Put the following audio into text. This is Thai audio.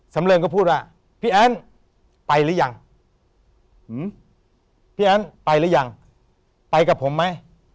สำเริงก็พูดว่าพี่แอนไปหรือยังไปกับผมไหม